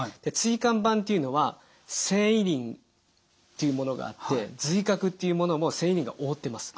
椎間板っていうのは線維輪というものがあって髄核っていうものも線維輪が覆ってます。